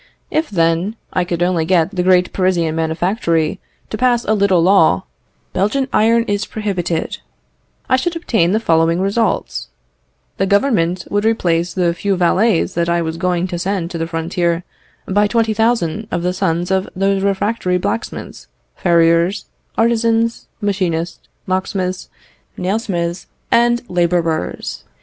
If, then, I could only get the great Parisian manufactory to pass a little law, 'Belgian iron is prohibited,' I should obtain the following results: The Government would replace the few valets that I was going to send to the frontier by 20,000 of the sons of those refractory blacksmiths, farriers, artizans, machinists, locksmiths, nail smiths, and labourers.